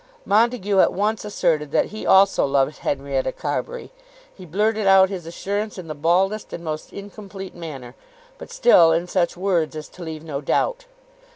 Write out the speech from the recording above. Montague at once asserted that he also loved Henrietta Carbury. He blurted out his assurance in the baldest and most incomplete manner, but still in such words as to leave no doubt.